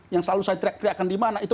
yang selalu saya teriakan di mana itu